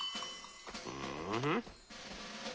うん？